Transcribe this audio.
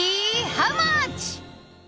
ハウマッチ。